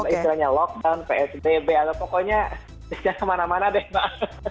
istilahnya lockdown psbb atau pokoknya di mana mana deh mbak al